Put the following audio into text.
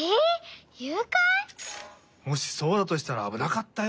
もしそうだとしたらあぶなかったよ。